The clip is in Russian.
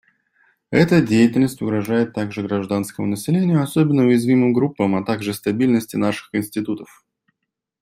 Эта деятельность угрожает также гражданскому населению, особенно уязвимым группам, а также стабильности наших институтов.